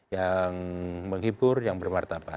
yang menghibur yang bermartabat